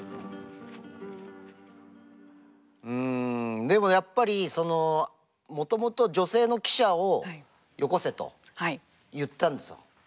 うんでもやっぱりそのもともと女性の記者をよこせと言ったんですよ。